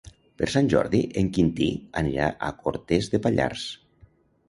Per Sant Jordi en Quintí anirà a Cortes de Pallars.